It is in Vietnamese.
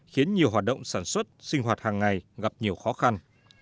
khiến nhiều hoạt động sản xuất sinh hoạt hàng ngày gặp nhiều khó khăn